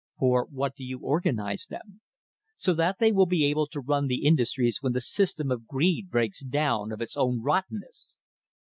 "For what do you organize them?" "So that they will be able to run the industries when the system of greed breaks down of its own rottenness."